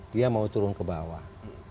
dia mau turun ke bawah